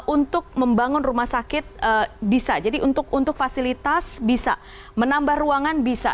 untuk membangun rumah sakit bisa jadi untuk fasilitas bisa menambah ruangan bisa